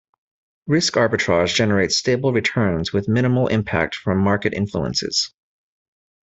Risk arbitrage generates stable returns with minimal impact from market influences.